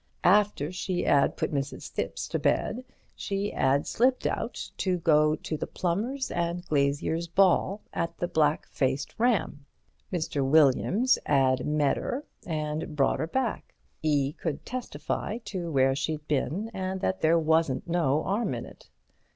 After she 'ad put Mrs. Thipps to bed, she 'ad slipped out to go to the Plumbers' and Glaziers' Ball at the "Black Faced Ram." Mr. Williams 'ad met 'er and brought 'er back. 'E could testify to where she'd been and that there wasn't no 'arm in it.